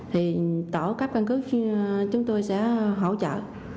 thì tổ cấp căn cứ chúng tôi sẽ hỗ trợ